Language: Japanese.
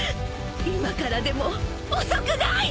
今からでも遅くない！